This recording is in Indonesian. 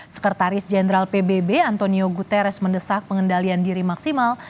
sekretaris jenderal pbb antonio guterres mendesak pengendalian diri maksimal